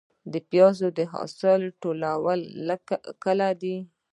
د پیاز د حاصل ټولول کله دي؟